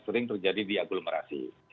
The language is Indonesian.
sering terjadi di aglomerasi